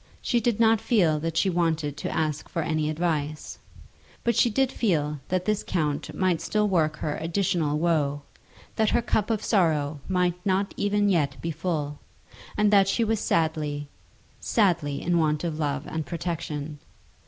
She did not feel that she wanted to ask for any advice. But she did feel that this count might still work her additional woe, that her cup of sorrow might not even yet be full, and that she was sadly, sadly in want of love and protection.